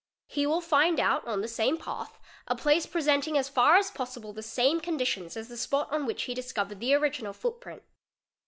He will find out on the "same path a place presenting as far as possible the same conditions as the spot on which he discovered the original footprint.